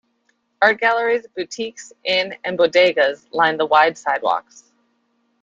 Art galleries, boutiques, inns and Bodega's line the wide sidewalks.